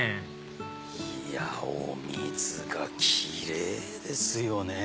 いやお水が奇麗ですよね。